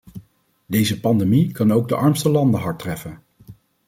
Deze pandemie kan ook de armste landen hard treffen.